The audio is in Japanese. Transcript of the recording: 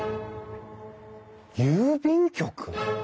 郵便局！？